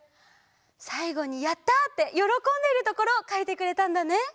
さいごに「やった」ってよろこんでるところをかいてくれたんだね。